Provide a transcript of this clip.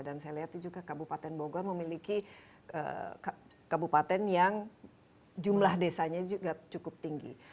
dan saya lihat juga kabupaten bogor memiliki kabupaten yang jumlah desanya juga cukup tinggi